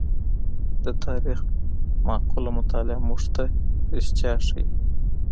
د تاریخ معقوله مطالعه موږ ته رښتیا ښيي.